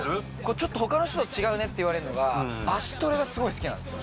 ちょっと他の人と違うねって言われるのが脚トレがすごい好きなんですよ